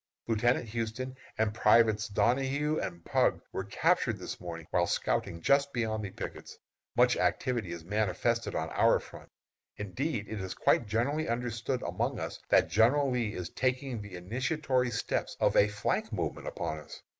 Lieutenant Houston and privates Donahue and Pugh were captured this morning while scouting just beyond the pickets. Much activity is manifested on our front. Indeed, it is quite generally understood among us that General Lee is taking the initiatory steps of a flank movement upon us.